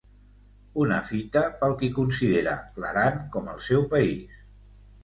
Una fita pel qui considera l'Aran com el seu País.